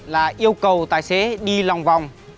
là yêu cầu tài xế đi lòng vòng